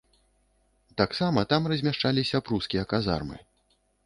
Таксама там размяшчаліся прускія казармы.